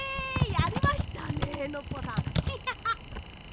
やりましたねノッポさん。